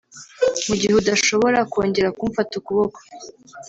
Mugihe udashobora kongera kumfata ukuboko